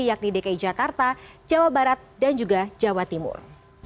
yakni dki jakarta jawa barat dan juga jawa timur